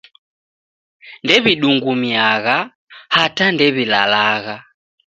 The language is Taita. Ndew'idungumiagha hata ndew'ilalagha.